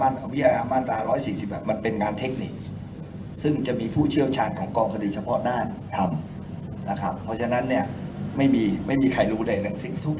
ไม่ไม่สามารถแล้วลงความเขียนตามบ้านความเชี่ยวชาญของกองคดีเฉพาะด้านครับนะครับเพราะฉะนั้นเนี่ยไม่มีไม่มีใครรู้ใดหลังสิ่งทุก